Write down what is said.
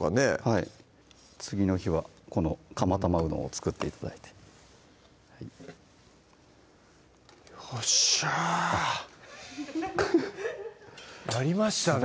はい次の日はこの「かま玉うどん」を作って頂いてよっしゃやりましたね